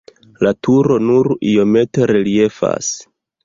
La turo nur iomete reliefas.